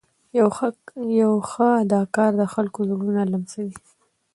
یو ښه اداکار د خلکو زړونه لمسوي.